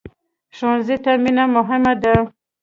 ښوونځی ته مینه مهمه ده